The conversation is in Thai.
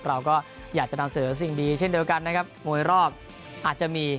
เราก็อยากจะนำเสนอสิ่งดีเช่นเดียวกันนะครับมวยรอบอาจจะมี